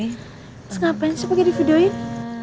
terus ngapain sih pakai di videoin